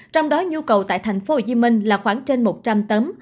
trong đó nhu cầu tại thành phố hồ chí minh là khoảng trên một trăm linh tấn